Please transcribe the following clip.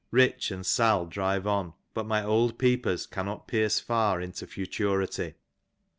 Rich, and Sal. drive on, but my old peepers "cannot pierce far into fiiturity.